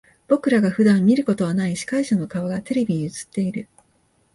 僕らが普段見ることはない司会者の顔がテレビに映っている。